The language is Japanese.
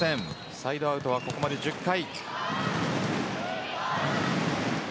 サイドアウトはここまで１０回。